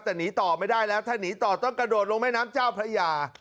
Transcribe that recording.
แต่หนีต่อไม่ได้แล้วถ้าหนีต่อต้องกระโดดลงแม่น้ำเจ้าพระยา